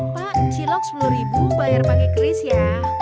pak cilok rp sepuluh bayar pake kris ya